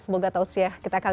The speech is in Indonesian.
semoga tausiah kita kali